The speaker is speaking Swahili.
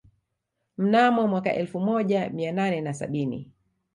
Mnaono mwaka elfu moja mia nane na sabini